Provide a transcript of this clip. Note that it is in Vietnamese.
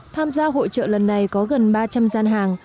tham gia hội trợ lần này có gần ba trăm linh gian hàng